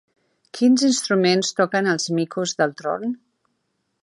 Quins instruments toquen els micos del tron?